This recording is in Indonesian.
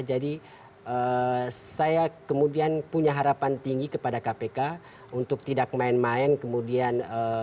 jadi saya kemudian punya harapan tinggi kepada kpk untuk tidak main main kemudian